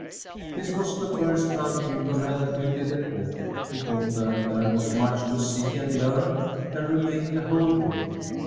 This was the first time Gudmund had attended a Court. He thought that there was much to see and learn, and remained the whole day.